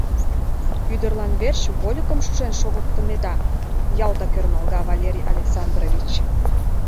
— Ӱдырлан верч вольыкым шужен шогыктынеда? — ялтак ӧрмалга Валерий Александрович.